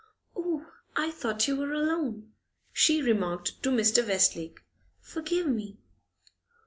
'Oh, I thought you were alone,' she remarked to Mr. Westlake. 'Forgive me!